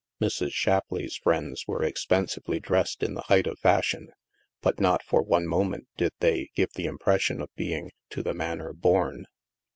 Mrs. Shapleigh's friends were expensively dressed in the height of fashion, but not for one moment did they give the impression of being " to the manor born."